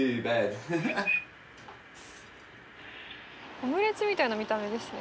オムレツみたいな見た目ですね。